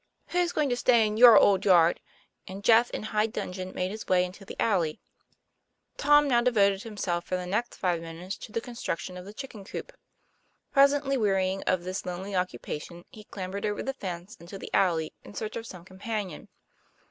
'Who's going to stay in your old yard?" and Jeff in high dudgeon made his way into the alley. Tom now devoted himself for the next five minutes to the construction of the chicken coop. Presently wearying of this lonely occupation he clambered over the fence into the alley in search of some compan ion.